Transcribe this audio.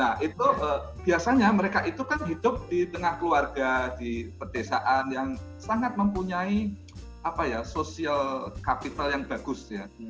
nah itu biasanya mereka itu kan hidup di tengah keluarga di pedesaan yang sangat mempunyai social capital yang bagus ya